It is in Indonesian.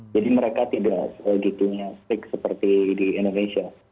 jadi mereka tidak begitu strict seperti di indonesia